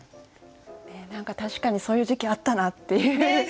確かにそういう時期あったなっていう。